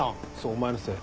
お前のせい。